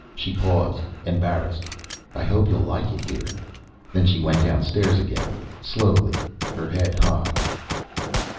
She paused, embarrassed. "I hope you'll like it here." Then she went downstairs again, slowly, her head high.